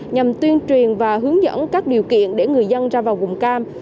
nhằm tuyên truyền và hướng dẫn các điều kiện để người dân ra vào vùng cam